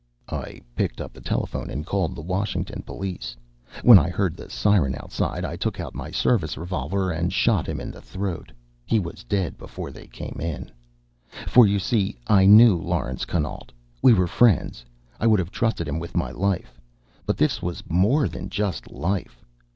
I picked up the telephone and called the Washington police. When I heard the siren outside, I took out my service revolver and shot him in the throat. He was dead before they came in. For, you see, I knew Laurence Connaught. We were friends. I would have trusted him with my life. But this was more than just a life.